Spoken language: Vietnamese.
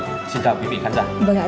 xin chào quý vị khán giả